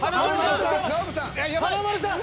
華丸さん！